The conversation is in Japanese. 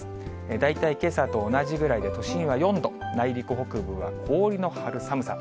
大体、けさと同じぐらいで、都心は４度、内陸北部は氷の張る寒さ。